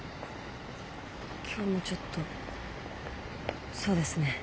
今日もちょっとそうですね。